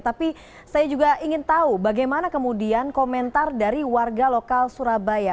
tapi saya juga ingin tahu bagaimana kemudian komentar dari warga lokal surabaya